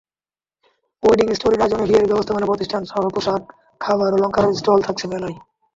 Wedding স্টোরির আয়োজনে বিয়ের ব্যবস্থাপনা প্রতিষ্ঠানসহ পোশাক, খাবার, অলংকারের স্টল থাকছে মেলায়।